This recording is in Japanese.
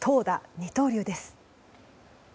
二刀流です。